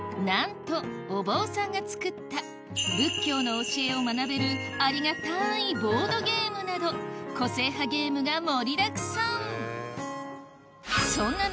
なんとお坊さんが作った仏教の教えを学べるありがたいボードゲームなど個性派ゲームが盛りだくさん